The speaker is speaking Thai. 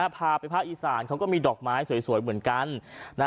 พาไปภาคอีสานเขาก็มีดอกไม้สวยเหมือนกัน